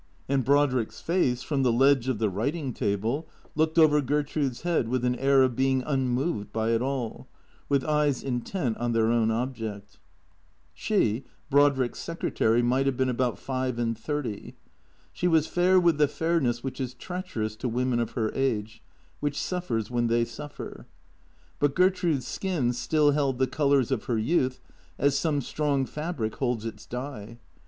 And Brodrick's face, from the ledge of the writing table, looked over Gertrude's head with an air of being unmoved by it all, with eyes intent on their own object. She, Brodrick's secretary, might have been about five and thirty. She was fair with the fairness which is treacherous to women of her age, which suffers when they suffer. But Ger trude's skin still held the colours of her youth as some strong fabric holds its dye.